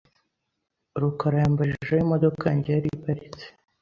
rukara yambajije aho imodoka yanjye yari iparitse .